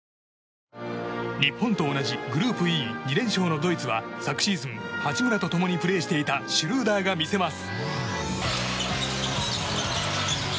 日本と同じグループＥ２連勝のドイツは昨シーズン、八村と共にプレーしていたシュルーダーが見せます！